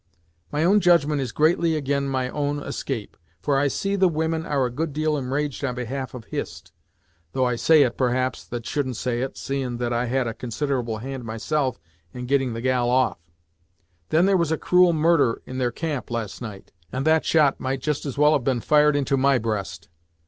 My own judgment is greatly ag'in my own escape, for I see the women are a good deal enraged on behalf of Hist, though I say it, perhaps, that shouldn't say it, seein' that I had a considerable hand myself in getting the gal off. Then there was a cruel murder in their camp last night, and that shot might just as well have been fired into my breast.